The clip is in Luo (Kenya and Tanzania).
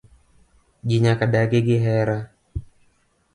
Ji nyaka dagi gi hera.